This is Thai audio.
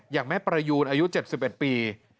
อย่างแม่ประยูนอายุ๗๑ปี